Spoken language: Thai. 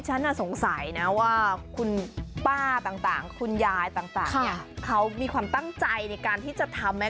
ฉันสงสัยนะว่าคุณป้าต่างคุณยายมีความตั้งใจในการที่จะทำ